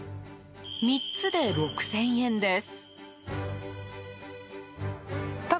３つで６０００円です。